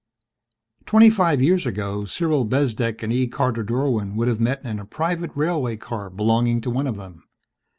Twenty five years ago Cyril Bezdek and E. Carter Dorwin would have met in a private railway car belonging to one of them.